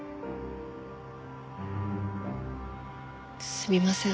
すみません